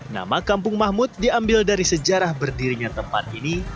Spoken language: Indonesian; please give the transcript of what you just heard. nama kampung mahmud diambil dari sejarah berdirinya tempat ini